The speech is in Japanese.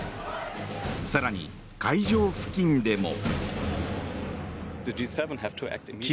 更に、会場付近でも。